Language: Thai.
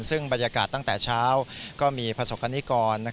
ซึ่งบรรยากาศตั้งแต่เช้าก็มีประสบคณิกร